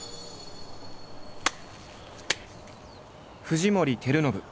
藤森照信。